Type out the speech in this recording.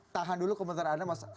tahan dulu komentar anda mas